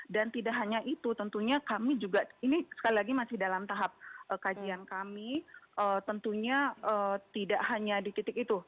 dan tidak hanya itu tentunya kami juga ini sekali lagi masih dalam tahap kajian kami tentunya tidak hanya di titik itu